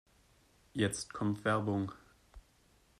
Jetzt kommt Werbung.